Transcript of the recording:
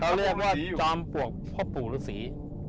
เขาเรียกว่าจอมปลวกพ่อปู่รุศรี